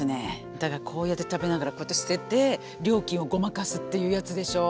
だからこうやって食べながらこうやって捨てて料金をごまかすっていうやつでしょう？